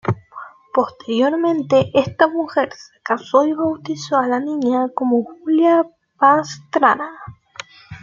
Posteriormente esta mujer se casó y bautizó a la niña como Julia Pastrana.